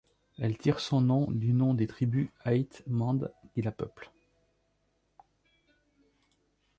Elle tire son nom du nom des tribus Ait Mhand qui la peuplent.